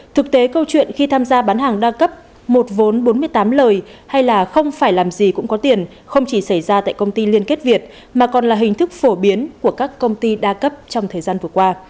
thực tế câu chuyện khi tham gia bán hàng đa cấp một vốn bốn mươi tám lời hay là không phải làm gì cũng có tiền không chỉ xảy ra tại công ty liên kết việt mà còn là hình thức phổ biến của các công ty đa cấp trong thời gian vừa qua